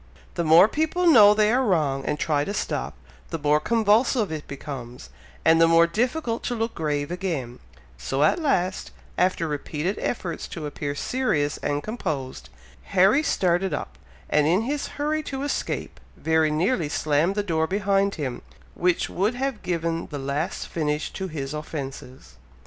The more people know they are wrong, and try to stop, the more convulsive it becomes, and the more difficult to look grave again, so at last, after repeated efforts to appear serious and composed, Harry started up, and in his hurry to escape, very nearly slammed the door behind him, which would have given the last finish to his offences.